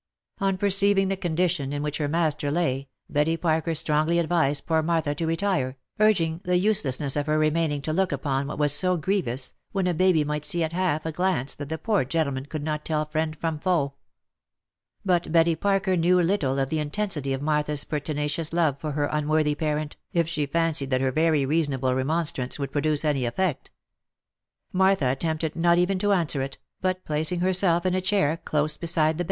On per ceiving the condition in which her master lay, Betty Parker strongly advised poor Martha to retire, urging the uselessness of her remaining to look upon what was so grievous, when a baby might see at half a glance that the poor gentleman could not tell friend from foe. But OF MICHAEL ARMSTRONG. 367 Betty Parker knew little of the intensity of Martha's pertinacious love for her unworthy parent, if she fancied that her very reasonable remonstrance would produce any effect. Martha attempted not even to answer it, but placing herself in a chair close beside the.